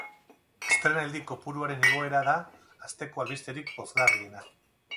Estreinaldi kopuruaren igoera da asteko albisterik pozgarriena.